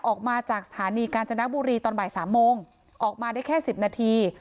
ออกมาจากสถานีกาญจนบุรีตอนบ่าย๓โมงออกมาได้แค่๑๐นาที